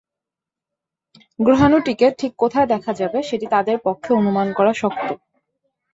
গ্রহাণুটিকে ঠিক কোথায় দেখা যাবে, সেটি তাঁদের পক্ষে অনুমান করা শক্ত।